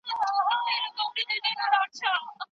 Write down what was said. په هكله څه ويلاى نه سم